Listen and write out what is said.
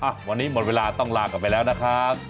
วันนี้หมดเวลาต้องลากลับไปแล้วนะครับ